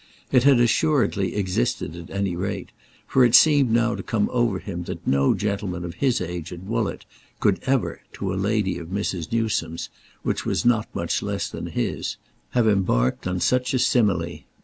It had assuredly existed at any rate; for it seemed now to come over him that no gentleman of his age at Woollett could ever, to a lady of Mrs. Newsome's, which was not much less than his, have embarked on such a simile.